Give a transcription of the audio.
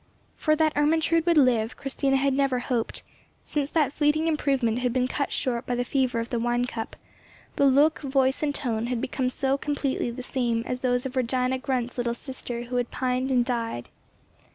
For that Ermentrude would live Christina had never hoped, since that fleeting improvement had been cut short by the fever of the wine cup; the look, voice, and tone had become so completely the same as those of Regina Grundt's little sister who had pined and died.